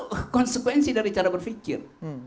itu konsekuensi dari cara berpikir